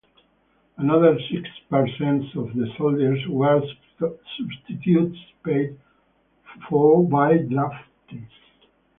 Another six percent of the soldiers were substitutes paid for by draftees.